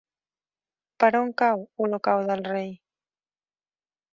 Per on cau Olocau del Rei?